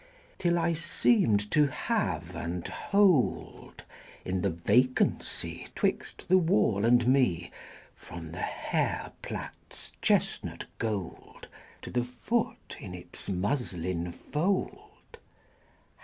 Till I seemed to have and hold, In the vacancy 'Twixt the wall and me, From the hair plait's chestnut gold To the foot in its muslin fold VII.